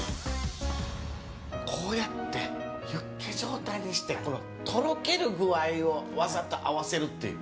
こうやってユッケ状態にしてとろける具合をわざと合わせるっていう。